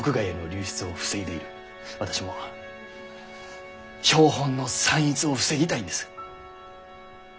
私も標本の散逸を防ぎたいんです。